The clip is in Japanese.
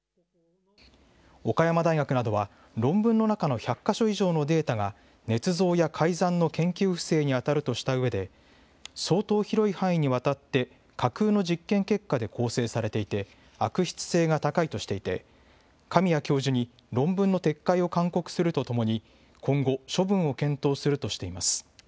岡山大学などは、論文の中の１００か所以上のデータが、ねつ造や改ざんの研究不正に当たるとしたうえで、相当広い範囲にわたって架空の実験結果で構成されていて、悪質性が高いとしていて、神谷教授に論文の撤回を勧告するとともに、今後、処分を検討するとしています。